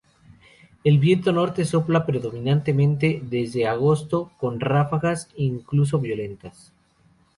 El viento norte sopla predominantemente desde agosto, con ráfagas incluso violentas.